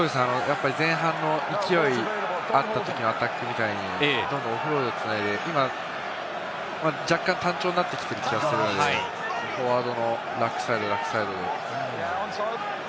前半の勢いがあったときのアタックみたいに、オフロードを繋いで今、若干単調になってきている気がするのでフォワードのラックサイド。